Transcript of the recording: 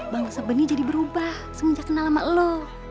bangsa benih jadi berubah semenjak kenal sama lo